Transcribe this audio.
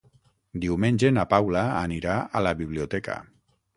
Diumenge na Paula anirà a la biblioteca.